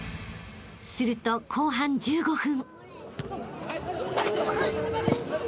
［すると後半１５分］